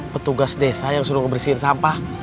petugas desa yang suruh ngebersihin sampah